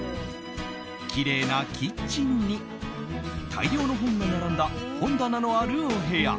きれいなキッチンに大量の本が並んだ本棚のあるお部屋。